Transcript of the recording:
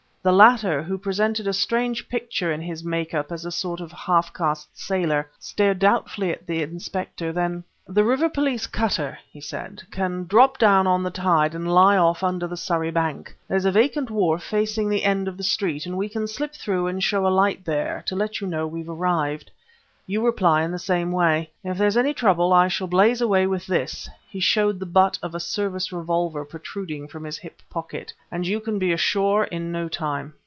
The latter, who presented a strange picture in his make up as a sort of half caste sailor, stared doubtfully at the Inspector; then "The River Police cutter," he said, "can drop down on the tide and lie off under the Surrey bank. There's a vacant wharf facing the end of the street and we can slip through and show a light there, to let you know we've arrived. You reply in the same way. If there's any trouble, I shall blaze away with this" he showed the butt of a Service revolver protruding from his hip pocket "and you can be ashore in no time."